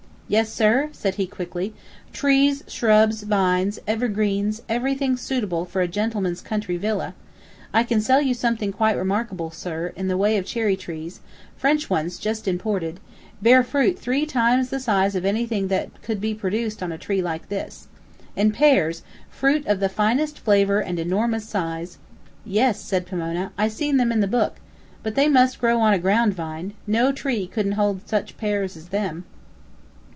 "Yes, sir," said he quickly, "trees, shrubs, vines, evergreens, everything suitable for a gentleman's country villa. I can sell you something quite remarkable, sir, in the way of cherry trees, French ones, just imported; bear fruit three times the size of anything that could be produced on a tree like this. And pears fruit of the finest flavor and enormous size " "Yes," said Pomona. "I seen them in the book. But they must grow on a ground vine. No tree couldn't hold such pears as them."